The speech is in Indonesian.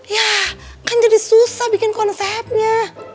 ya kan jadi susah bikin konsepnya